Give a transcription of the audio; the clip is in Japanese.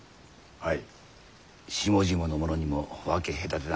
はい。